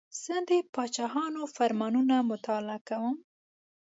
زه د پاچاهانو فرمانونه مطالعه کوم.